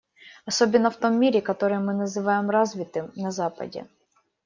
Особенно в том мире, который мы называем «развитым» - на Западе.